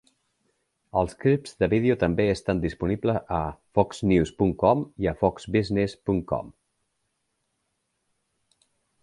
Els clips de vídeo també estan disponibles a Foxnews.com i a Foxbusiness.com.